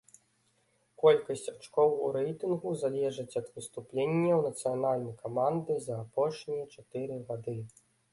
Колькасць ачкоў у рэйтынгу залежыць ад выступленняў нацыянальнай каманды за апошнія чатыры гады.